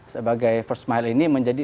sebagai first mile ini menjadi